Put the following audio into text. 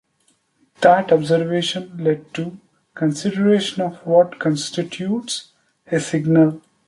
That observation led to consideration of what constitutes a "signal".